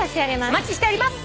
お待ちしております。